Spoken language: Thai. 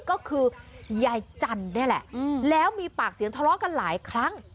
ก็คือยายจันทร์นี่แหละแล้วมีปากเสียงทะเลาะกันหลายครั้ง